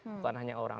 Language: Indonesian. bukan hanya orang